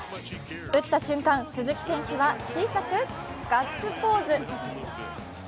打った瞬間、鈴木選手は小さくガッツポーズ。